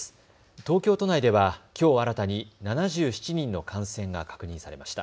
東京都内では、きょう新たに７７人の感染が確認されました。